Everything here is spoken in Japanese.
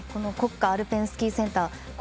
国家アルペンスキーセンター